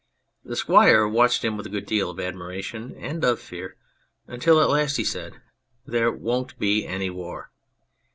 The Squire watched him with a good deal of admiration and of fear, until at last he said, "There won't be any war."